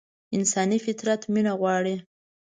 انساني فطرت مينه غواړي.